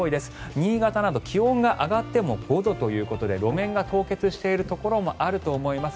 新潟など、気温が上がっても５度ということで路面が凍結しているところもあると思います。